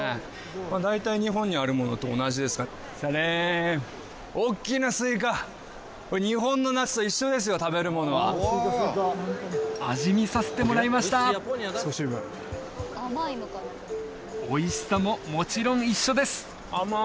大体日本にあるものと同じです日本の夏と一緒ですよ食べるものは味見させてもらいましたおいしさももちろん一緒です